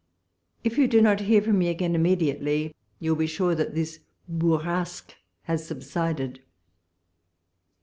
If you do not hear from me again immediately, you will be sure that this bourrasquc has subsided.